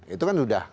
itu kan udah